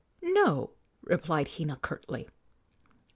"No," replied Hina, curtly.